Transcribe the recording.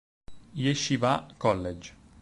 Yeshivah College